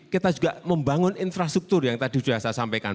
kita juga membangun infrastruktur yang tadi sudah saya sampaikan